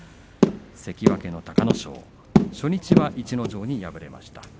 関脇の隆の勝初日は逸ノ城に敗れました。